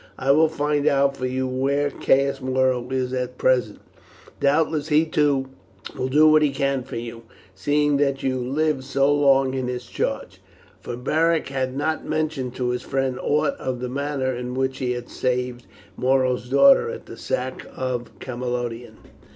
I will find out for you where Caius Muro is at present; doubtless he too will do what he can for you, seeing that you lived so long in his charge;" for Beric had not mentioned to his friend aught of the manner in which he had saved Muro's daughter at the sack of Camalodunum.